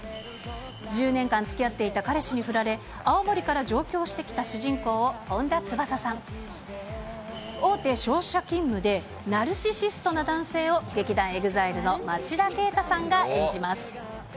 １０年間つきあっていた彼氏に振られ、青森から上京してきた主人公を本田翼さん、大手商社勤務でナルシシストな男性を劇団ＥＸＩＬＥの町田啓太さんが演じます。